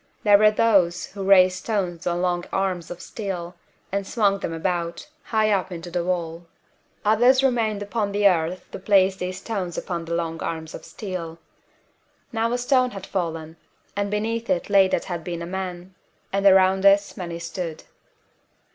There were those who raised stones on long arms of steel, and swung them about, high up into the wall. Others remained upon the earth to place these stones upon the long arms of steel. Now a stone had fallen, and beneath it lay what had been a man; and around this many stood.